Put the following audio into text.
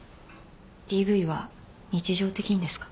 ＤＶは日常的にですか？